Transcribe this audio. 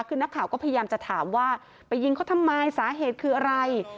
คือนักข่าวก็พยายามจะถามว่าไปยิงเขาทำไมสาเหตุคืออะไร